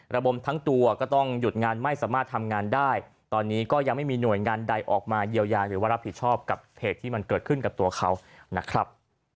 ระบมทั้งตัวก็ต้องหยุดงานไม่สามารถทำงานได้ตอนนี้ก็ยังไม่มีหน่วยงานใดออกมาเยียวยาหรือว่ารับผิดชอบกับเหตุที่มันเกิดขึ้นกับตัวเขานะครับ